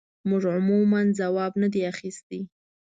موږ عموماً ځواب نه دی اخیستی.